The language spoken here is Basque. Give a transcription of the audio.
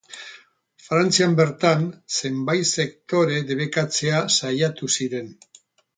Frantzian bertan zenbait sektore debekatzea saiatu ziren.